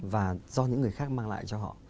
và do những người khác mang lại cho họ